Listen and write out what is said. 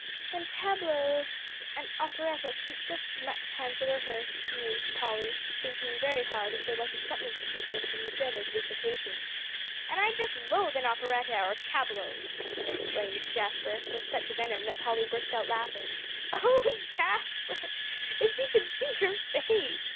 "And tableaux and an operetta take just as much time to rehearse," mused Polly, thinking very hard if there wasn't something to keep them from the dreaded recitations. "And I just loathe an operetta or tableaux," exclaimed Jasper, with such venom that Polly burst out laughing. "Oh Jasper, if you could see your face!"